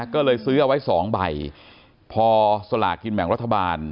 ก็เลยซื้อเอาไว้สองใบพอสลากินแบ่งรัฐบาล